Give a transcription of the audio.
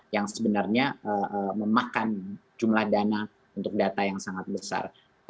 yang sebenarnya memakan jumlah dana untuk data yang sangat besar